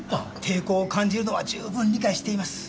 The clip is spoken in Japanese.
抵抗を感じるのはじゅうぶん理解しています